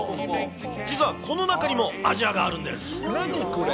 実はこの中にもアジアがあるんで何これ？